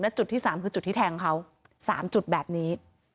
จุดที่๓คือจุดที่แทงเขา๓จุดแบบนี้